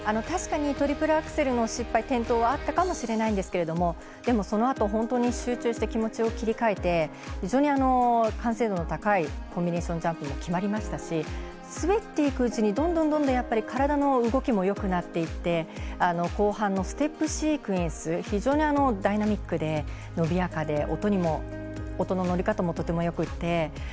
確かにトリプルアクセルの転倒失敗はあったかもしれないんですがでも、そのあと集中して気持ちを切り替えて非常に完成度の高いコンビネーションジャンプも決まりましたし滑っていくうちにどんどん、体の動きもよくなっていって後半のステップシークエンス非常にダイナミックで伸びやかで音の伸び方も、とてもよくて。